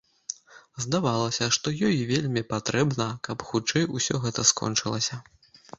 Здавалася, што ёй вельмі патрэбна, каб хутчэй усё гэта скончылася.